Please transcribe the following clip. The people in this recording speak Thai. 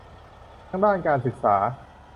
ทั้งด้านการศึกษา